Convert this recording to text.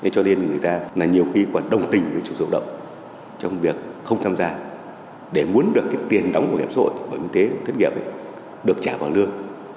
cho nên người ta nhiều khi còn đồng tình với chủ động trong việc không tham gia để muốn được tiền đóng của hiệp xã hội và y tế thiết nghiệp được trả bằng lương